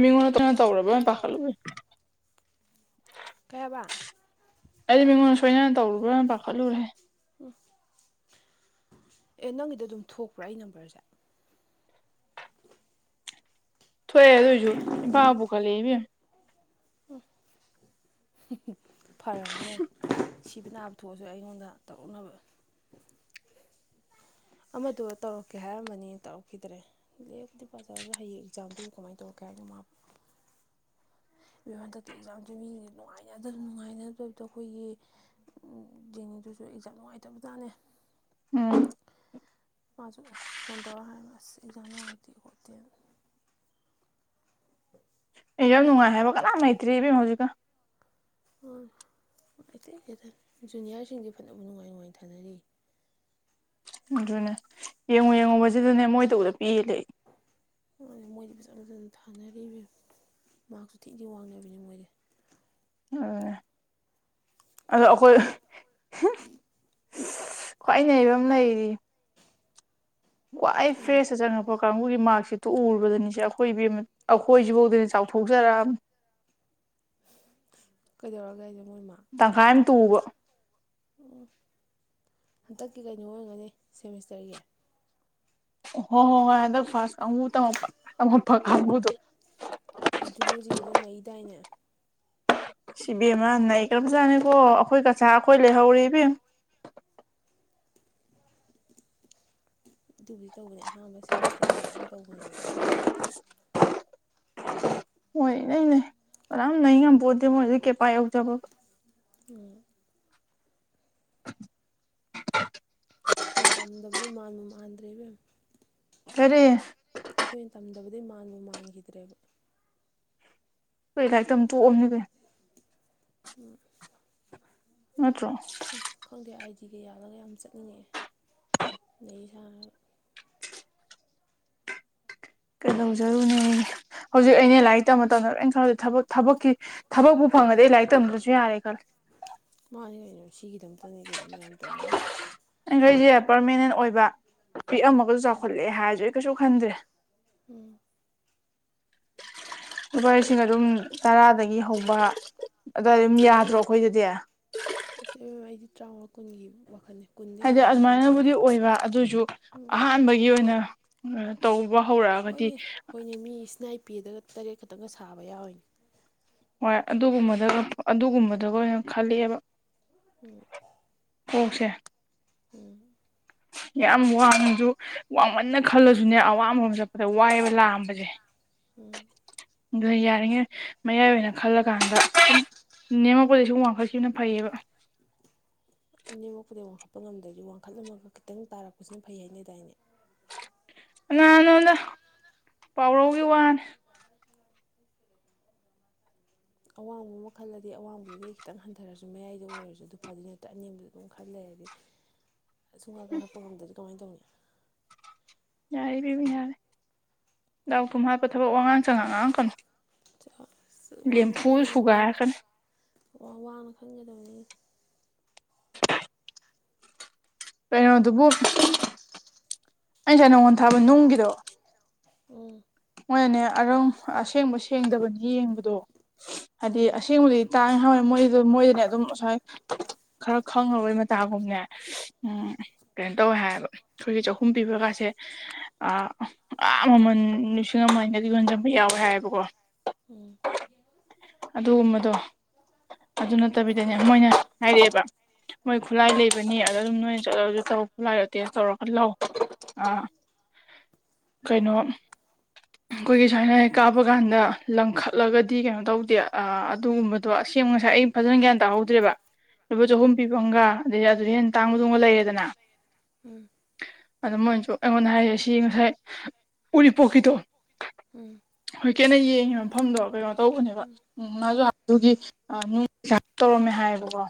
ꯃꯤꯉꯣꯅ ꯇꯅ ꯇꯧꯔꯕ ꯄꯈꯠꯂꯨꯔꯦ ꯀꯩꯍꯥꯏꯕ ꯁꯣꯏꯅ ꯇꯧꯔꯨꯕ꯭ꯔ ꯄꯥꯈꯠꯂꯨꯔꯦ ꯎꯝ ꯑꯦ ꯅꯪꯒꯤꯗ ꯑꯗꯨꯝ ꯊꯣꯛꯄ꯭ꯔꯥ ꯑꯩ ꯅꯝꯕꯔꯁꯦ ꯊꯣꯛꯑꯦ ꯑꯗꯨ ꯑꯣꯏꯁꯨ ꯏꯝꯐꯥꯕꯨꯨ ꯄꯨꯈꯠꯂꯦ ꯏꯕꯦꯝꯃꯥ ꯎꯝ ꯐꯔꯝꯅꯦ ꯌꯥꯝ ꯁꯤꯕ ꯅꯥꯕ ꯊꯣꯛꯑꯁꯨ ꯑꯩꯉꯣꯟꯗ ꯇꯧꯔꯛꯅꯕ ꯑꯃꯗꯨ ꯇꯧꯔꯛꯀꯦ ꯍꯥꯏꯔꯝꯕꯅꯤ ꯇꯧꯔꯛꯈꯤꯗ꯭ꯔꯦ ꯂꯔꯤꯛꯕꯨꯗꯤ ꯄꯖꯥꯔꯁꯨ ꯍꯌꯦꯡ ꯑꯦꯛꯖꯥꯝꯗꯨ ꯀꯃꯥꯏ ꯇꯧꯔꯛꯀꯦ ꯀꯩꯅꯣ ꯃꯥ [inaudible] ꯍꯟꯗꯛꯇꯤ ꯑꯦꯛꯖꯥꯝꯁꯦ ꯃꯤꯖꯤꯡꯖꯦ ꯅꯨꯡꯉꯥꯏꯅ ꯅꯨꯡꯉꯥꯏꯅꯗꯣ ꯑꯩꯈꯣꯏꯒꯤ ꯑꯗꯨꯁꯨ ꯑꯦꯛꯖꯥꯝ ꯅꯨꯡꯉꯥꯏꯇꯕꯖꯥꯠꯅꯦ ꯎꯝ ꯃꯥꯁꯨ ꯐꯣꯟ ꯇꯧꯔꯒ ꯍꯥꯏꯔꯃꯦ ꯑꯁ ꯑꯦꯛꯖꯥꯝ ꯅꯨꯡꯉꯥꯏꯇꯦ ꯈꯣꯠꯇꯦꯅ [inaudible] ꯑꯦꯛꯌꯥꯝ ꯅꯨꯡꯉꯥꯏ ꯍꯥꯏꯕ ꯀꯅꯥꯝ ꯂꯩꯇ꯭ꯔꯦ ꯏꯕꯦꯝꯃ ꯍꯧꯖꯤꯛꯀꯥꯟ [unintelligible] ꯖꯨꯅꯤꯌꯥꯔꯁꯤꯡꯗꯤ ꯐꯅꯕꯨ ꯅꯨꯡꯉꯥꯏ ꯅꯨꯡꯉꯥꯏ ꯊꯥꯅꯔꯤꯌꯦ ꯑꯗꯨꯅꯦ ꯌꯦꯡꯉꯨ ꯌꯦꯡꯉꯨꯕꯁꯤꯗꯅꯦ ꯃꯣꯏꯇ ꯎꯕꯗ ꯄꯦꯜꯂꯦ ꯑꯩ ꯊꯥꯅꯗꯦ ꯏꯕꯦꯝꯃꯥ ꯃꯥꯛꯁꯨ ꯊꯤ ꯗꯤ ꯋꯥꯡꯅꯕꯤꯅꯤ ꯃꯣꯏꯗꯤ ꯎ ꯑꯗꯣ ꯑꯩꯈꯣꯏ ꯈ꯭ꯋꯥꯏ ꯅꯩꯕ ꯑꯃ ꯂꯩꯔꯤ ꯋꯡꯈꯋꯥꯏ ꯀꯅꯥ ꯐ꯭ꯔꯦꯁꯇ ꯆꯪꯉꯛꯄ꯭ꯔꯣ ꯀꯥꯡꯕꯨꯒꯤ ꯃꯥꯔꯛꯁꯤꯠꯇꯨ ꯎꯔꯨꯕꯗꯅꯤꯁꯦ ꯑꯩꯈꯣꯏ ꯏꯕꯦꯝꯃ ꯑꯩꯈꯣꯏꯁꯤꯐꯥꯎꯗꯅꯦ ꯆꯥꯎꯊꯣꯛꯆꯔꯛꯑꯅꯤ [inaudible] ꯀꯩꯗꯧꯔꯒꯦ ꯍꯥꯏꯖꯦ ꯇꯈꯥꯟ ꯇꯨꯕ ꯎꯝ ꯍꯟꯗꯛꯀꯤ ꯀꯩꯅꯣ ꯑꯣꯏꯔꯝꯒꯅꯤ ꯁꯦꯃꯤꯁꯇꯔꯒꯤ ꯍ ꯍꯣ ꯍꯣꯏꯗ ꯐ ꯎꯝ ꯂꯨꯖꯤꯛꯁꯤꯗ ꯅꯩꯗꯥꯏꯅꯦ ꯁꯤꯕꯦꯝꯃꯅꯏ ꯀꯔꯝ ꯆꯥꯅꯤꯀꯣ ꯑꯩꯈꯣꯏ ꯀꯆꯥ ꯑꯩꯈꯣꯏ ꯂꯩꯍꯧꯔꯤꯦ ꯏꯕꯦꯝ [unintelligible] ꯑꯗꯨꯕꯨꯗꯤ ꯇꯧꯕꯅꯦ ꯑꯍꯥꯟꯕ ꯁꯦꯃꯤꯁꯇꯔꯒꯤꯁꯨ ꯑꯗꯨꯝ ꯇꯧꯕꯅꯦꯕ ꯃꯣꯏ ꯏꯅꯩ ꯅꯩ ꯀꯅꯥꯝ ꯅꯩ ꯉꯝꯄꯣꯠꯇꯦ ꯃꯣꯏꯗꯤ ꯀꯦꯄꯥꯏ ꯌꯧꯖꯕꯀ ꯎꯝ ꯑꯩꯈꯣꯏꯅ ꯇꯝꯗꯕꯗꯩ ꯃꯥꯟꯕ ꯃꯥꯟꯗ꯭ꯔꯦꯕ ꯀꯔꯦ ꯑꯩꯈꯣꯏꯅ ꯇꯝꯗꯕꯗꯒꯤꯩ ꯃꯥꯟꯕꯕꯨ ꯃꯥꯟꯈꯤꯗ꯭ꯔꯦꯕ ꯀꯩ ꯂꯥꯏꯔꯤꯛꯇ ꯇꯣꯛꯑꯝꯅꯤ ꯀ ꯑ ꯅꯠꯇ꯭ꯔꯣ ꯐꯇꯤꯒ ꯌꯥꯜꯂꯒ ꯌꯥꯝ ꯆꯠꯅꯤꯡꯉꯛꯑꯦ ꯂꯩ ꯁꯥꯥꯡꯅꯒ ꯀꯩꯗꯧꯖꯔꯨꯅꯦ ꯍꯧꯖꯤꯛ ꯑꯅꯦ ꯂꯥꯏꯔꯤꯛ ꯇꯝꯕ ꯃꯇꯝꯝꯗ ꯂꯣꯏꯅ ꯈꯜꯗꯦ ꯊꯕ ꯊꯕꯛꯀꯤ ꯊꯕꯛꯄꯨ ꯐꯪꯗ ꯂꯥꯏ ꯇꯝꯕꯔꯨꯁꯨ ꯌꯥꯔꯦ ꯀ ꯃꯥꯅꯤ ꯀꯩꯅꯣ ꯁꯤꯒꯤꯗꯃꯛꯇꯅꯤ ꯀꯩꯅꯣ ꯃꯌꯥꯝ ꯇꯧꯅ ꯑꯩꯁꯦ ꯄꯥꯔꯃꯤꯅꯦꯟ ꯑꯣꯏꯕ ꯄꯤꯛ ꯑꯃꯒꯁꯨ ꯎꯝ ꯆꯥꯎꯈꯠꯂꯑꯦ ꯍꯥꯏꯔꯁꯨ ꯑꯩ ꯀꯩꯁꯨ ꯈꯟꯗ꯭ꯔꯦ ꯎꯝ [inaudible] ꯂꯨꯄꯥ ꯂꯤꯁꯤꯡ ꯑꯗꯨꯝ ꯇꯔꯥꯗꯒꯤ ꯍꯧꯕ ꯑꯗꯨꯋꯥꯏ ꯑꯗꯨꯝ ꯌꯥꯗ꯭ꯔꯣ ꯑꯩꯈꯣꯏꯗꯗꯤ ꯑꯁ ꯑꯩꯗꯤ ꯇꯔꯥꯃꯉꯥ ꯀꯨꯟꯒꯤ ꯋꯥꯈꯜꯅꯤ ꯍꯥꯏꯗꯤ ꯑꯗꯨꯃꯥꯏꯅꯕꯨꯗꯤ ꯑꯣꯏꯕ ꯑꯗꯨꯁꯨ ꯎꯝ ꯑꯍꯥꯟꯕꯒꯤ ꯑꯣꯏꯅ ꯇꯧ ꯋꯥ ꯍꯧꯔꯛꯑꯒꯗꯤ ꯅꯥꯄꯤꯗꯒ ꯇꯔꯦꯠ ꯈꯛꯇꯪꯒ ꯁꯥꯕ ꯌꯥꯎꯋꯅꯤ ꯍꯣꯏ ꯑꯗꯨꯒꯨꯝꯕꯗꯒ ꯑꯗꯨꯒꯨꯝꯕꯗꯒ ꯑꯣꯏꯅ ꯈꯂꯑꯦꯕ ꯎꯝ ꯑꯣꯁꯦ ꯎꯝ ꯌꯥꯝ ꯋꯥꯡꯃꯁꯨ ꯋꯥꯡꯃꯟꯅ ꯈꯜꯂꯁꯨꯅꯦ ꯑꯋꯥꯕ ꯑꯃ ꯆꯠꯄꯗ ꯋꯥꯏꯕ ꯂꯥꯛꯑꯝꯕꯁꯦ ꯎꯝ ꯑꯗꯨ ꯌꯥꯔꯤꯉꯩ ꯃꯌꯥꯏ ꯑꯣꯏꯅ ꯈꯜꯂꯀꯥꯟꯗ ꯅꯃ ꯀꯣꯂ ꯁ ꯋꯥꯡꯈꯠꯁꯤꯅ ꯐꯩꯌꯦꯕ ꯑꯅꯤꯦꯝꯃꯛꯣꯛꯄꯗꯤꯩ ꯋꯥꯡꯈꯠꯄ ꯉꯝꯗ꯭ꯔꯗꯤ ꯋꯥꯡꯈꯠꯂꯝꯃꯒ ꯈꯤꯇꯪ ꯇꯥꯔꯛꯄꯁꯤꯅ ꯐꯩ ꯍꯥꯏꯅꯗꯥꯏꯅꯦ ꯑꯉꯥꯡ ꯅꯗ ꯄꯥꯎꯔꯧꯒꯤ ꯋꯥꯅꯦ ꯑꯋꯥꯡꯕ ꯑꯃ ꯈꯜꯂꯗꯤ ꯑꯋꯥꯡꯕꯗꯨꯗꯤ ꯑꯩ ꯈꯤꯇꯪ ꯍꯟꯊꯔꯁꯨ ꯃꯌꯥꯏꯗ ꯑꯣꯏꯔꯁꯨ ꯑꯗꯨ ꯐꯗꯤ ꯅꯠꯇ ꯑꯦꯝꯕꯗꯣ ꯑꯗꯨꯝ ꯈꯜꯂꯦ ꯍꯥꯏꯗꯤ [inaudible] ꯑꯁꯨꯝ ꯉꯇ ꯍꯥꯞꯄ ꯉꯝꯗꯗꯤ ꯀꯃꯥꯏꯅ ꯇꯧꯅꯤ ꯌꯥꯔꯦ ꯄꯤꯕ ꯌꯥꯔꯦ ꯗꯥꯎ ꯊꯨꯝ ꯍꯥꯞꯄ ꯊꯕꯛ ꯋꯥꯉꯥꯡ ꯆꯉꯥꯡ ꯉꯥꯡꯥꯛ ꯀꯪꯅꯤ ꯂꯦꯝꯐꯨ ꯁꯨꯒꯥꯏꯒꯅ ꯋꯥꯅ ꯈꯪꯒꯗꯕꯅꯤ ꯀꯩꯅꯣꯗꯨꯕꯨ ꯑꯩ ꯉꯁꯥꯏ ꯅꯪꯉꯣꯟꯜ ꯊꯥꯕ ꯅꯨꯡꯒꯤꯗꯣ ꯎꯝ ꯃꯣꯏꯅꯅꯦ ꯑꯔꯪ ꯑꯁꯦꯡꯕ ꯁꯦꯡꯗꯕꯅꯤ ꯌꯦꯡꯕꯗꯣ ꯎꯝ ꯍꯥꯏꯗꯤ ꯑꯁꯦꯡꯕꯗꯤ ꯇꯥꯡꯉ ꯍꯥꯎꯋꯦ ꯃꯣꯏꯗ ꯃꯣꯏꯗꯅꯦ ꯑꯗꯨꯝ ꯉꯁꯥꯏ ꯈꯔ ꯈꯪꯉꯕꯩ ꯃꯇꯥꯒꯨꯝꯅꯦ ꯎꯝ ꯀꯩꯅꯣ ꯇꯧꯋꯦ ꯍꯥꯏꯕ ꯑꯩꯈꯣꯏꯒꯤ ꯆꯍꯨꯝ ꯄꯤꯕꯒꯥꯁꯦ ꯑꯥ ꯃꯃꯜ ꯅꯨꯡꯁꯤ ꯉꯃꯥꯏꯅꯗꯤ ꯌꯣꯟꯁꯤꯟꯕ ꯌꯥꯎꯋꯦ ꯍꯥꯏꯌꯦꯕꯀꯣ ꯎꯝ ꯑꯗꯨꯒꯨꯝꯕꯗꯣ ꯑꯗꯨ ꯅꯠꯇꯕꯤꯗꯅꯦ ꯃꯣꯏꯅ ꯍꯥꯏꯔꯛꯑꯦꯕ ꯃꯣꯏ ꯈꯨꯠꯂꯥꯏ ꯂꯩꯕꯅꯤ ꯑꯗ ꯑꯗꯨꯝ ꯅꯣꯏꯅ ꯆꯠꯂꯁꯨ ꯂꯥꯏꯔꯇꯦ ꯆꯧꯔꯒ ꯂꯧ ꯑ ꯀꯩꯅꯣ ꯑꯩꯈꯣꯏꯒꯤ ꯁꯨꯃꯥꯏꯅ ꯀꯥꯞꯕ ꯀꯥꯟꯗ ꯂꯪꯈꯠꯂꯒꯗꯤ ꯀꯩꯅꯣ ꯇꯧꯗꯦ ꯑꯗꯨꯒꯨꯝꯕꯗꯣ ꯑꯁꯦꯡꯕ ꯉꯁꯥꯏ ꯑꯩ ꯐꯖꯅ ꯒ꯭ꯌꯥꯟ ꯇꯥꯍꯧꯗ꯭ꯔꯦꯕ ꯂꯨꯄꯥ ꯎꯝ ꯆꯍꯨꯝ ꯄꯤꯐꯝꯒ ꯑꯗꯗꯒꯤ ꯑꯗꯨꯗꯤ ꯍꯦꯟꯅ ꯇꯥꯡꯕ ꯇꯨꯡꯕ ꯂꯩꯌꯦꯗꯅ ꯎꯝ ꯎꯝ ꯑꯗꯨ ꯃꯣꯏꯅꯁꯨ ꯑꯩꯉꯣꯟꯗ ꯍꯥꯏꯔꯁꯤ ꯉꯁꯥꯏ ꯎꯔꯤꯄꯣꯛꯀꯤꯗꯣ ꯎꯝ ꯑꯩꯅ ꯌꯦꯡꯉꯦꯕ ꯃꯐꯝꯗꯣ ꯀꯩꯅꯣ ꯇꯧꯕꯅꯦꯕ ꯎꯝ ꯃꯥꯁꯨ ꯑꯗꯨꯒꯤ ꯑꯥ ꯄꯩꯁꯥ ꯇꯧꯔꯝꯃꯦ ꯍꯥꯏꯌꯦꯕꯀꯣ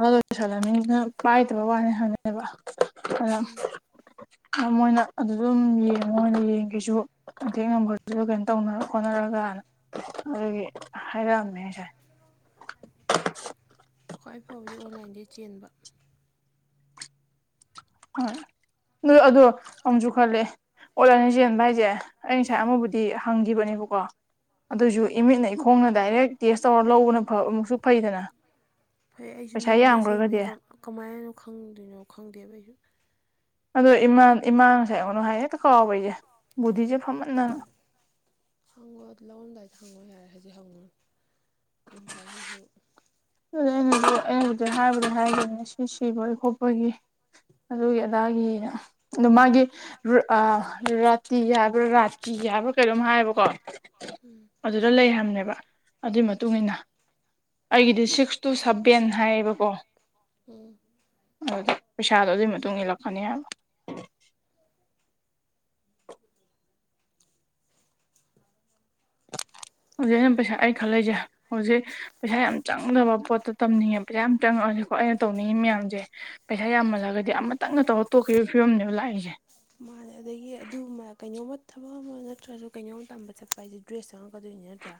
ꯑꯗꯨꯂꯃꯤꯅ ꯄꯥꯏꯗꯕ ꯋꯥꯅꯤ ꯍꯪꯉꯛꯑꯦꯕ ꯑꯗꯨ ꯎꯝ ꯃꯣꯏꯅ ꯑꯗꯨ ꯑꯗꯨꯝ ꯌꯦꯡꯉꯣ ꯌꯦꯡꯒꯦꯖꯨ ꯀꯟꯇꯦꯛ ꯅꯝꯕꯔꯗꯨꯗ ꯀꯩꯅꯣ ꯇꯧꯅꯔ ꯈꯣꯠꯅꯔꯒ ꯑꯗꯨꯒꯤ ꯍꯥꯏꯔꯛꯑꯝꯃꯦ ꯉꯁꯥꯏ ꯈ꯭ꯋꯥꯏ ꯐꯥꯎꯕꯗꯤ ꯑꯣꯟꯂꯥꯏꯟꯗꯩ ꯆꯦꯟꯕ ꯅ ꯑꯗꯣ ꯑꯃꯨꯛꯁꯨ ꯈꯜꯂꯦ ꯑꯣꯂꯥꯏꯅ ꯆꯦꯟꯕ ꯍꯥꯏꯁꯦ ꯑꯩ ꯉꯁꯥꯏ ꯑꯃꯕꯨꯗꯤ ꯍꯪꯈꯤꯕꯅꯦꯕꯀꯣ ꯑꯗꯨꯁꯨ ꯎꯝ ꯏꯃꯤꯠꯅꯩ ꯈꯣꯡꯅ ꯗꯥꯏꯔꯦꯛ ꯇꯦꯁ ꯇꯧꯔ ꯂꯧꯕꯅ ꯑꯃꯨꯛꯁꯨ ꯐꯩꯗꯅ ꯐꯩ ꯑꯩꯖꯨ ꯄꯩꯁꯥ ꯌꯥꯝꯈ꯭ꯔꯒꯗꯤ ꯅꯨꯡꯖꯦꯁꯨꯝꯕ ꯀꯃꯥꯏꯅꯣ ꯈꯪꯗꯣꯏꯅꯣ ꯈꯪꯗꯦꯕ ꯑꯩꯖꯨ ꯑꯗꯣ ꯏꯃꯥꯟ ꯏꯃꯥ ꯉꯁꯥꯏꯉꯅꯨ ꯍꯥꯏ ꯍꯦꯛꯇ ꯀꯥꯎꯕ ꯑꯩꯖꯦ ꯕꯨꯙꯤꯖꯦ ꯍꯪꯉꯣ ꯑꯗꯨ ꯂꯧꯂꯝꯗꯥꯏꯗ ꯍꯪꯉꯣ ꯌꯥꯔꯦ ꯍꯧꯖꯤꯛ ꯍꯪꯉꯨꯔꯅꯨ ꯑꯗꯨꯝ ꯀꯥꯎꯅꯤꯍꯦ ꯑꯗꯨꯗ ꯑꯩꯅꯁꯨ ꯑꯩꯕꯨꯖꯤꯛ ꯍꯥꯏꯕꯗꯤ ꯍꯥꯏꯒꯅꯦ ꯁꯤ ꯁꯤꯕꯒꯤ ꯈꯣꯠꯄꯒꯤ ꯑꯗꯨꯒꯤ ꯑꯗꯥꯒꯤꯅꯤꯗ ꯑ ꯃꯥꯒꯤ ꯔꯥꯇꯤ ꯍꯥꯏꯕ꯭ꯔꯥ ꯔꯥꯇ ꯌꯥꯕ ꯀꯩꯅꯣꯝ ꯍꯥꯏꯌꯦꯕꯀꯣ ꯎꯝ ꯑꯗꯨꯗ ꯂꯩ ꯍꯥꯏꯅꯦꯕ ꯑꯗꯨꯏ ꯃꯇꯨꯡ ꯎꯝ ꯏꯟꯅ ꯑꯩꯒꯤ ꯁꯤꯛꯁ ꯇꯨ ꯁꯚꯦꯟ ꯍꯥꯏꯌꯦꯕꯀꯣ ꯎꯝ ꯑꯗꯨ ꯄꯩꯁꯥꯗꯣ ꯑꯗꯨꯒꯤ ꯃꯇꯨꯡ ꯏꯜꯂꯛꯀꯅꯤ ꯍꯥꯏꯕ [unintelligible] ꯍꯧꯖꯤꯛ ꯑꯩꯅ ꯄꯩꯁꯥ ꯑꯩ ꯈꯜꯂꯛꯁꯦ ꯍꯧꯖꯤꯛ ꯄꯩꯁꯥ ꯌꯥꯝ ꯆꯪꯗꯕ ꯄꯣꯠꯇ ꯇꯝꯅꯤꯡꯉꯦꯕ ꯄꯩꯁꯥ ꯌꯥꯝ ꯆꯪꯉꯛ ꯑꯀꯣ ꯑꯩꯅ ꯇꯧꯅꯤꯡꯏ ꯃꯌꯥꯝꯖꯦ ꯄꯩꯁꯥ ꯌꯥꯝꯃꯜꯂꯒꯗꯤ ꯑꯃꯇꯪꯅ ꯇꯧꯔ ꯇꯣꯛꯈꯤꯕ ꯐꯤꯕꯝꯅꯦꯕ ꯂꯥꯛꯏꯁꯦ ꯃꯥꯅꯦ ꯑꯗꯒꯤ ꯑꯗꯨꯃ ꯀꯩꯅꯣꯝꯃ ꯊꯕꯛ ꯑꯃ ꯅꯠꯇ꯭ꯔꯁꯨ ꯀꯩꯅꯣꯝ ꯇꯝꯕ ꯆꯠꯄ ꯍꯥꯏꯁꯦ ꯗ꯭ꯔꯦꯁ ꯆꯪꯉꯛꯀꯗꯣꯏꯅꯤ ꯅꯠꯇ꯭ꯔꯥ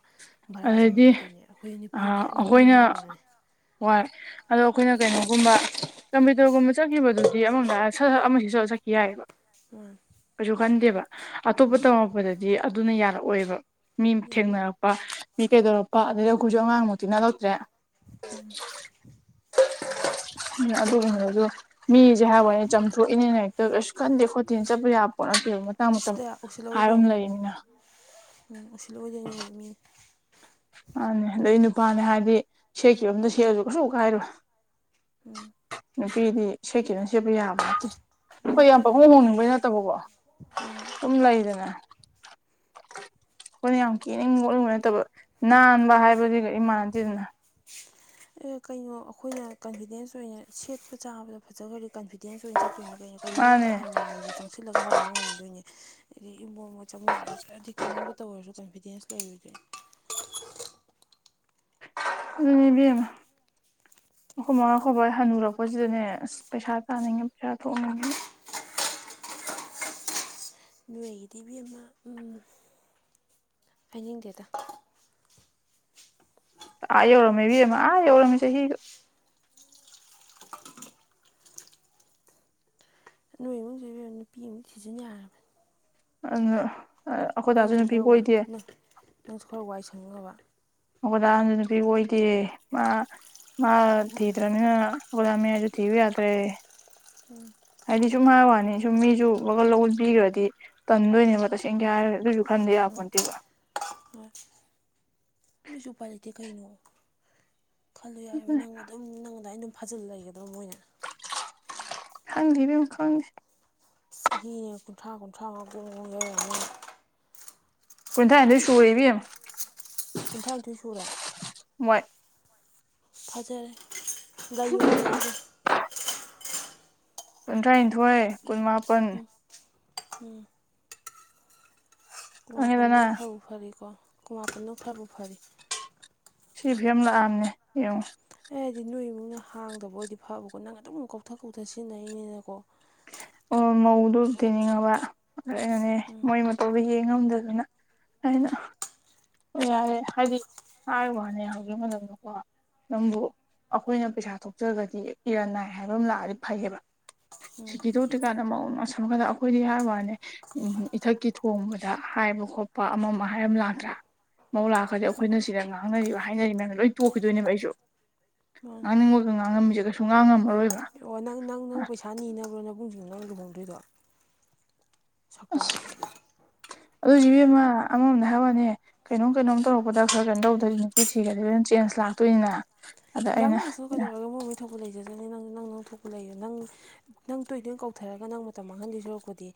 ꯚꯔꯥ ꯑꯗꯩꯗꯤ ꯆꯪꯉꯛꯀꯗꯣꯏꯅꯦ ꯑꯩꯈꯣꯏ ꯅꯨꯄꯤꯅꯦ ꯅꯨꯄꯤꯅꯦ ꯑꯩꯈꯣꯏꯅ ꯍꯥꯏꯕꯅꯦ ꯍꯣꯏ ꯑꯗꯣ ꯑꯩꯈꯣꯏꯅ ꯀꯩꯅꯣꯒꯨꯝꯕ ꯀꯝꯄ꯭ꯌꯨꯇꯔꯒꯨꯝꯕ ꯆꯠꯈꯤꯕꯗꯨ ꯑꯃꯂꯣꯝꯗ ꯍꯥꯏꯔꯗꯤ ꯁꯠ ꯁꯠ ꯑꯃꯍꯦꯛꯇ ꯁꯦꯠꯆꯜꯂꯒ ꯆꯠꯈꯤ ꯌꯥꯏꯌꯦꯕ ꯑꯣ ꯈꯟꯗꯦꯕ ꯑꯇꯣꯞꯄ ꯇꯝꯃꯛꯄꯗꯗꯤ ꯑꯗꯨꯅ ꯌꯥꯔꯛꯑꯣꯏꯕ ꯃꯤ ꯌꯥꯔꯣꯏ ꯊꯦꯡꯅꯔꯛꯄ ꯃꯤ ꯀꯩꯗꯧꯔꯛꯄ ꯑꯗꯩ ꯑꯩꯈꯣꯏꯁꯨ ꯑꯉꯥꯡꯃꯨꯛꯇꯤ ꯅꯠꯂꯛꯇ꯭ꯔꯦ ꯎꯝ [unintelligible] ꯑꯗꯨꯁꯨ ꯃꯤꯁꯦ ꯍꯥꯏꯕꯅꯦ ꯆꯝꯊꯣꯛꯏꯅꯦꯅ ꯍꯦꯛꯇ ꯀꯁꯨ ꯀꯟꯗꯦ ꯈꯣꯠꯇꯦꯅ ꯆꯠꯄ ꯌꯥꯕ ꯄꯣꯠ ꯃꯇꯥꯡ ꯃꯇꯝ ꯎꯁꯤꯠꯇ ꯍꯥꯏꯕ ꯑꯃ ꯂꯩꯅꯤꯅ ꯎꯁꯤꯠꯔꯛꯑꯣꯏꯗꯣꯏꯅꯦꯕ ꯃꯤꯅ ꯃꯥꯅꯦ ꯑꯗꯨꯗ ꯑꯩ ꯅꯨꯄꯥꯅꯦ ꯍꯥꯏꯕꯗꯤ ꯁꯦꯠꯈꯤꯕ ꯑꯝꯗ ꯁꯦꯠꯂꯁꯨ ꯀꯩꯁꯨ ꯀꯥꯏꯔꯣꯏ ꯎꯝ ꯅꯨꯄꯤꯗꯤ ꯁꯦꯈꯤꯕꯝꯗ ꯁꯦꯠꯄ ꯌꯥꯕ ꯅꯠꯇꯦ ꯑꯩꯈꯣꯏ ꯌꯥꯝ ꯄꯥꯛꯍꯣꯡ ꯍꯣꯡꯅꯤꯡꯕꯩ ꯅꯠꯇꯕꯀꯣ ꯎꯝ ꯁꯨꯝ ꯂꯩꯗꯅ ꯍꯣꯏꯅ ꯌꯥꯝ ꯀꯦꯅꯤꯡ ꯈꯣꯠꯅꯤꯡꯕꯒꯤ ꯅꯠꯇꯕ ꯅꯥꯟꯕ ꯍꯥꯏꯕꯗꯨꯒ ꯏꯃꯥꯟꯅꯗꯦꯗꯅ ꯀꯩꯅꯣ ꯑꯩꯈꯣꯏꯅ ꯀꯟꯐꯤꯗꯦꯟꯁ ꯑꯣꯏꯅ ꯁꯦꯠꯄ ꯆꯥꯕꯗ ꯐꯖꯈ꯭ꯔꯗꯤ ꯀꯟꯐꯤꯗ ꯇꯦꯟꯁ ꯑꯣꯏꯅ ꯆꯠꯇꯣꯏꯅꯦ ꯀꯩꯅꯣ ꯀꯩꯅꯣꯝꯃꯇ ꯃꯥꯅꯦ ꯍꯪꯉꯨ ꯍꯥꯏꯔꯁꯨ ꯆꯪꯁꯤꯜꯂꯒ ꯍꯪꯕ ꯉꯝꯗꯣꯏꯅꯦ ꯑꯩ ꯏꯃꯣꯠ ꯃꯣꯠ ꯆꯃꯣꯠꯅꯔꯁꯨ ꯍꯥꯏꯗꯤ ꯀꯩꯅꯣꯝꯗ ꯇꯧꯔꯁꯨ ꯀꯟꯐꯤꯗꯦꯟꯁ ꯂꯩꯔꯣꯏꯗꯣꯅꯤ [unintelligible] ꯎꯝ ꯑꯗꯨꯅꯤ ꯏꯕꯦꯝꯃ ꯑꯩꯈꯣꯏ ꯃꯥ ꯑꯩꯈꯣꯍ ꯕꯥ ꯍꯟꯅꯨꯔꯛꯄꯁꯤꯗꯅꯦ ꯑꯁ ꯄꯩꯁꯥ ꯇꯥꯅꯤꯡꯉꯦ ꯄꯩꯁꯥ ꯊꯣꯛꯅꯤꯡꯉꯦ ꯅꯣꯏꯒꯤꯗꯤ ꯏꯕꯦꯝꯃ ꯎꯝ ꯍꯥꯏꯅꯤꯡꯗꯦꯗ ꯑꯥ ꯌꯧꯔꯝꯃꯦ ꯏꯕꯦꯃꯥ ꯑꯥ ꯌꯧꯔꯝꯃꯤ ꯆꯍꯤꯒ ꯅꯣꯏ ꯏꯕꯨꯡ ꯁꯤꯁꯨ ꯏꯕꯦꯃꯥ ꯅꯨꯄꯤ ꯑꯃꯨ ꯁꯤꯖꯤꯟ ꯌꯥꯔꯕꯅꯤ ꯑ ꯅꯪꯁꯨ ꯈꯔ ꯋꯥ ꯅꯪ ꯅꯪꯁꯨ ꯈꯔ ꯋꯥꯏ ꯁꯪꯅꯕ ꯑꯩꯈꯣꯏ ꯗꯥ ꯗꯨꯁꯨ ꯅꯨꯄꯤ ꯀꯣꯏꯗꯦ ꯃꯥ ꯃꯥ ꯊꯤꯗ꯭ꯔꯃꯤꯅꯥ ꯑꯩꯈꯤꯏ ꯗꯥ ꯃꯌꯥꯏ ꯗꯨꯁꯨ ꯊꯤꯌꯣ ꯌꯥꯇ꯭ꯔꯦ ꯍꯥꯏꯗꯤꯁꯨꯝ ꯃꯥꯏ ꯋꯥꯅꯤ ꯁꯨꯝ ꯃꯤꯁꯨ ꯂꯕꯤꯈ꯭ꯔꯗꯤ ꯇꯗꯣꯏꯅꯦꯕ ꯇꯁꯦꯡꯅ ꯀ ꯍꯥꯏꯔ ꯈꯟꯗ ꯌꯥꯄꯣꯠ ꯇꯦꯕꯥ ꯃꯤꯁꯨ ꯎꯄꯥꯏ ꯂꯩꯇꯦ ꯀꯩꯅꯣ ꯈꯜꯂꯨ ꯌꯥꯏꯔꯤꯕꯕ ꯑꯗꯨꯅꯦ ꯅꯪ ꯑꯗꯨꯝ ꯅꯪꯣꯟꯗ ꯑꯩ ꯑꯗꯨꯝ ꯐꯖꯜꯂ ꯂꯩꯒꯗ꯭ꯔꯥ ꯃꯣꯏꯅ ꯈꯪꯗꯦ ꯏꯕꯦꯃꯥ ꯈꯪꯗꯦ ꯆꯍꯤ ꯀꯨꯟꯊ꯭ꯔꯥ ꯀꯨꯟꯊ꯭ꯔꯥ ꯉꯥ ꯌꯔꯅꯤ ꯀꯨꯟꯊꯔꯥ ꯍꯥꯏꯗꯨꯗꯤ ꯁꯨꯔꯦ ꯏꯕꯦꯃꯥ ꯈꯨꯨꯝꯊ꯭ꯔꯥ ꯅꯤꯊꯣꯏ ꯁꯨꯔꯦ ꯃꯣꯏ ꯐꯖꯔꯦ ꯂꯩꯌꯣꯌꯣ ꯑꯗꯨꯃꯥꯏꯅꯥ ꯑꯗꯨꯝ ꯀꯨꯟꯊ꯭ꯔꯥꯅꯤꯊꯣꯏ ꯀꯨꯟꯃꯥꯄꯟ ꯎꯝ ꯎꯝ ꯀꯨꯟ ꯈꯪꯉꯦꯗꯅ ꯃꯥꯄꯟꯗꯨꯅ ꯈꯔꯕꯨ ꯐꯔꯤꯀꯣ ꯀꯨꯟꯃꯥꯄꯟꯗꯨ ꯈꯔꯕꯨ ꯐꯔꯤ ꯁꯤ ꯐꯦꯝ ꯂꯥꯛꯑꯝꯅꯦ ꯌꯦꯡꯉꯣ ꯑꯦꯗꯤ ꯅꯣꯏ ꯃꯤꯡꯅ ꯍꯥꯡꯗꯕ ꯑꯣꯏꯗꯤ ꯐꯕꯀꯣ ꯅꯪ ꯑꯗꯨꯝ ꯀꯧꯊ ꯀꯧꯊ ꯁꯤꯖꯤꯟꯅꯔꯤꯅꯤꯅꯀꯣ ꯑꯣ ꯃꯧꯗꯨ ꯇꯤꯅꯤꯡꯉꯕꯅꯦ ꯎꯝ ꯃꯣꯏ ꯃꯇꯧꯗꯣ ꯌꯦꯡ ꯉꯝꯗꯗꯅ ꯑꯩꯅ ꯑꯣ ꯌꯥꯔꯦ ꯍꯥꯏꯗꯤ ꯍꯥꯏ ꯋꯥꯅꯦ ꯍꯧꯈꯤꯕ ꯃꯇꯝꯗꯀꯣ ꯅꯪꯕꯨ ꯑꯩꯈꯣꯏꯅ ꯄꯩꯁꯥ ꯊꯣꯛꯆꯔꯒꯗꯤ ꯏꯔꯥꯟ ꯅꯥꯏ ꯍꯥꯏꯕ ꯑꯃ ꯂꯥꯛꯑꯗꯤ ꯐꯩꯌꯦꯕ ꯎꯝ ꯁꯤꯒꯤꯗ ꯀꯗ ꯁꯝ ꯈꯗ ꯑꯩꯈꯣꯏꯗꯤ ꯍꯥꯏ ꯋꯥꯅꯦ ꯎ ꯏꯊꯛꯀꯤ ꯊꯣꯡꯕꯗ ꯍꯥꯏꯕ ꯈꯣꯠꯄ ꯑꯃ ꯍꯥꯏ ꯑꯃ ꯂꯥꯛꯇ ꯃꯧ ꯂꯥꯛꯈ꯭ꯔꯗꯤ ꯑꯩꯈꯣꯏꯅ ꯎꯝ ꯁꯤꯗ ꯉꯥꯡꯅꯔꯤꯕ ꯍꯥꯏꯅꯔꯤ ꯃꯌꯥꯝꯅ ꯂꯣꯏ ꯇꯣꯛꯈꯤꯗꯣꯏꯅꯦꯕ ꯑꯩꯁꯨ ꯃꯥꯅꯤ ꯉꯥꯡꯅꯤꯡꯕꯒ ꯉꯥꯡꯉꯝꯃꯤꯁꯦ ꯀꯩꯁꯨ ꯉꯥꯡꯉꯝꯃꯔꯣꯏꯕ ꯑꯣ ꯅꯪ ꯅꯪ ꯅꯪ ꯄꯩꯁꯥ ꯅꯤꯅꯕ꯭ꯔꯣ ꯅꯕꯨꯡꯁꯤꯡ ꯅꯪ ꯂꯨꯍꯣꯡꯗꯣꯏꯗꯣ ꯑꯁ ꯁꯛꯇꯥꯁꯤꯗꯤ ꯑꯗꯨꯏꯖꯨ ꯏꯕꯦꯃꯥ ꯎꯝ ꯑꯃꯃꯝꯗ ꯍꯋꯥꯅꯦ ꯀꯩꯅꯣꯝ ꯀꯩꯅꯣꯝ ꯇꯧꯔꯛꯄꯗ ꯈꯔ ꯀꯩꯅꯣ ꯇꯧꯗꯣꯏ ꯅꯨꯄꯤ ꯊꯤꯒꯗ ꯑꯗꯨꯝ ꯆꯦꯟꯖ ꯂꯥꯛꯇꯣꯏꯅꯤꯅ ꯑꯗ ꯂꯪ ꯑꯩꯅ ꯂꯛꯁꯅꯨ ꯀꯩꯗꯧꯔꯒ ꯃꯣꯏ ꯃꯣꯏ ꯊꯣꯛ ꯂꯩꯖꯗꯅꯤ ꯅꯪ ꯅꯪ ꯅꯪ ꯊꯣꯛꯄꯨ ꯂꯩ ꯅꯪ ꯅꯪ ꯇꯣꯏ ꯇꯣꯏꯅ ꯀꯧꯊꯔꯒ ꯅꯪ ꯃꯇꯝ ꯃꯥꯡꯍꯜꯂꯤ ꯁꯣꯔꯛꯄꯗꯤ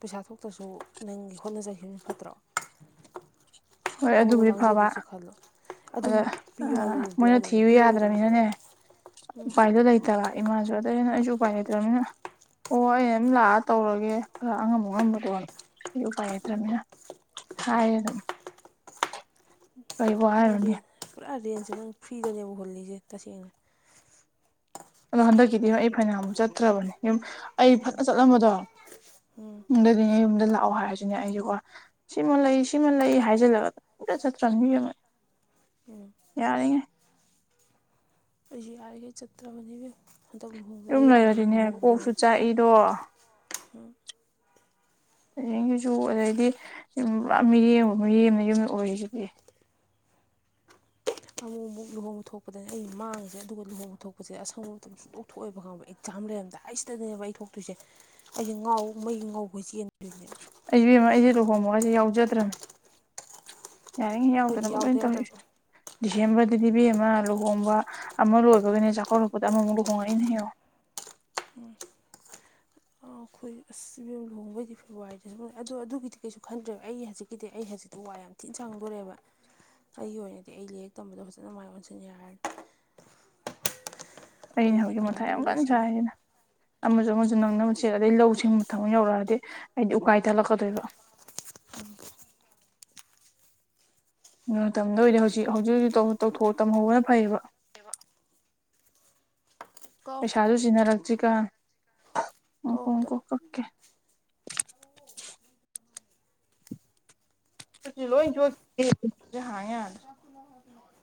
ꯄꯩꯁꯥ ꯊꯣꯛꯇ꯭ꯔꯁꯨ ꯅꯪꯒꯤ ꯍꯣꯠꯅꯖꯈꯤꯕ ꯐꯠꯇ꯭ꯔꯣ [inaudible] ꯅꯣꯡꯅ ꯑꯗꯨꯕꯨꯗꯤ ꯐꯕ ꯃꯥꯡꯖꯗꯣꯏꯁꯨ ꯈꯜꯂꯣ ꯑꯗꯨꯝ ꯄꯤꯌꯨ ꯑꯗ ꯍꯥꯏꯔꯁꯨ ꯑꯗꯨꯝ ꯃꯣꯏꯅ ꯄꯤꯔꯛꯑꯗꯕꯅꯤ ꯊꯤꯌꯨ ꯄꯤꯔꯛꯑꯣꯏꯗꯕ ꯌꯥꯗ꯭ꯔꯅꯤꯅꯅꯦ ꯁꯨꯡꯂꯩꯇꯦ ꯎꯝ ꯎꯄꯥꯏꯗꯣ ꯂꯩꯇꯕ ꯏꯃꯥꯁꯨ ꯑꯇꯩꯩꯅ ꯑꯩꯁꯨ ꯎꯄꯥꯏ ꯂꯩꯇꯕꯅꯤꯅ ꯑꯣ ꯑꯩ ꯑꯗꯨꯝ ꯂꯥꯛꯑ ꯇꯧꯔꯒꯦ ꯈꯔ ꯑꯉꯝꯝꯕ ꯉꯝꯕ ꯇꯧꯔꯅꯤ ꯑꯩ ꯎꯄꯥꯏ ꯂꯩꯇ꯭ꯔꯅꯤꯅ ꯍꯥꯏ ꯑꯗꯨ ꯔꯦꯟ ꯄꯨꯔꯥ ꯔꯦꯟꯖꯁꯦ ꯅꯪ ꯐ꯭ꯔꯤꯗꯅꯦꯕ ꯍꯨꯜꯂꯤꯁꯦ ꯇꯁꯦꯡꯅ ꯑꯗꯣ ꯍꯟꯗꯛꯀꯤꯗꯤ ꯑꯩ ꯐꯥꯏꯅꯥꯜꯃꯨꯛ ꯆꯠꯇ꯭ꯔꯕꯅꯦ ꯌꯨꯝ ꯑꯩ ꯐꯠꯅ ꯆꯠꯂꯝꯕꯗꯣ ꯎꯝ ꯌꯨꯝꯗꯗꯤꯅꯦ ꯌꯨꯝꯗ ꯂꯥꯛꯑꯣ ꯍꯥꯏꯔꯁꯤꯅꯦ ꯑꯩꯁꯦꯀꯣ ꯁꯤꯃ ꯂꯩ ꯁꯤꯃ ꯂꯩ ꯍꯥꯏꯖꯤꯜꯂꯒ ꯆꯪꯕꯤꯔꯝ ꯎꯝ ꯌꯥꯔꯤꯉ ꯑꯩ ꯌꯥꯔꯒꯦ ꯆꯇ꯭ꯔꯕꯅꯤ ꯍꯟꯗꯛ ꯂꯨꯍꯣꯡꯕꯗ ꯌꯨꯝ ꯂꯩꯔꯗꯤꯅꯦ ꯀꯣꯛꯁꯨ ꯆꯥꯛꯏꯗꯣ ꯍꯌꯦꯦꯡꯒꯤꯁꯨ ꯑꯗꯩꯗꯤ ꯌ ꯄꯨꯥ ꯃꯤꯔꯦꯝꯕ ꯃꯤꯔꯦꯝꯅ ꯌꯨꯝꯗ ꯑꯣꯏꯔꯤꯁꯤꯗꯤ ꯑꯃꯨꯛ ꯑꯃꯨꯛ ꯂꯨꯍꯣꯡꯕ ꯊꯣꯛꯄꯗꯅꯤ ꯑꯩ ꯃꯥꯡꯉꯤꯁꯦ ꯑꯗꯨꯒ ꯂꯨꯍꯣꯡꯕ ꯊꯣꯛꯄꯁꯦ ꯑꯁꯪꯕ ꯃꯇꯝ ꯁꯨꯡꯛꯇꯣꯛꯊꯣꯛꯑꯦꯕ ꯈꯪꯕꯊ ꯑꯍꯝ ꯂꯩꯔꯝꯗ ꯑꯩ ꯁꯤꯗꯅꯦꯕ ꯑꯩ ꯊꯣꯛꯇꯣꯏꯁꯦ ꯑꯩꯁꯦ ꯉꯥꯎ ꯃꯩꯒꯤ ꯉꯥꯎꯈꯩ ꯆꯦꯟꯗꯣꯏꯅꯦꯕ ꯑꯩꯃ ꯑꯩꯁꯦ ꯂꯨꯍꯣꯡꯃꯒꯁꯦ ꯌꯥꯎꯖꯗ꯭ꯔꯅꯦ ꯌꯥꯔꯤꯉꯩ ꯑꯩꯈꯣꯏꯗꯤ ꯌꯥꯎꯗꯅꯕ ꯂꯣꯏ ꯌꯥꯎꯗ ꯇꯧꯔꯛꯏ ꯌꯥꯗꯕ ꯑ ꯁꯦꯝꯦꯝꯕꯗꯗꯤ ꯕꯤ ꯑꯃ ꯂꯨꯍꯣꯡꯕ ꯑꯃ ꯂꯣꯏꯕꯒꯤꯅꯦ ꯆꯥꯛꯀꯧꯔꯛꯄꯗ ꯑꯃꯃꯨꯛ ꯂꯨꯍꯣꯡꯉꯛꯏꯅꯦ ꯍꯥꯏꯡꯛꯣ ꯎꯝ ꯑꯁ ꯂꯨꯍꯕꯩꯗꯤ ꯐꯦꯕꯋꯥꯔꯤꯗꯁꯨ ꯑꯗ ꯑꯗꯨꯒꯤꯗꯤ ꯀꯩꯁꯨ ꯈꯟꯗ꯭ꯔꯦꯕ ꯑꯩ ꯍꯧꯖꯤꯛꯀꯤꯗꯤ ꯑꯩ ꯍꯧꯖꯤꯛꯇꯤ ꯋꯥ ꯌꯥꯝ ꯊꯤꯤꯟ ꯁꯥꯡꯉꯦ ꯈꯣꯡꯗꯣꯔꯛꯦꯕ ꯑꯩꯒꯤ ꯑꯣꯏꯅꯗꯤ ꯑꯩ ꯂꯔꯤꯛ ꯇꯝꯕꯗꯣ ꯐꯖꯅ ꯃꯥꯏ ꯑꯣꯟꯁꯤꯟꯦ ꯍꯥꯏꯔꯗꯤ [unintelligible] ꯑꯩꯅ ꯍꯧꯖꯤꯛ ꯃꯊꯥ ꯌꯥꯝ ꯂꯨꯍꯣꯡꯗꯨꯕ ꯀꯪ ꯂꯣꯏꯁꯤꯜꯂꯦ ꯆꯥꯏꯗꯅ ꯑꯃꯁꯨꯨ ꯑꯗꯨ ꯅꯪꯅ ꯃꯆꯦꯠ ꯑꯗꯩ ꯂꯧꯁꯤꯡ ꯃ ꯊ ꯌꯧꯔꯛꯑꯗꯤ ꯑꯩꯗꯤ ꯎꯀꯥꯏ ꯊꯂꯛꯀꯗꯣꯏꯕ ꯎꯝ ꯃꯇꯝꯗ ꯑꯣꯏꯔꯗꯤ ꯍꯧꯖꯤꯛ ꯍꯧꯖꯤꯛ ꯍꯧꯖꯤꯛ ꯇꯝꯍꯧꯕꯅ ꯐꯩꯌꯦꯕ [unintelligible] ꯀꯧ ꯄꯩꯁꯥꯗꯨ ꯆꯟꯅꯔꯛꯁꯤꯒ ꯀꯧ ꯑꯝꯇ ꯎꯪꯀꯣꯈꯣ ꯀꯛꯀꯦ ꯂ ꯏꯖ ꯌꯥꯅ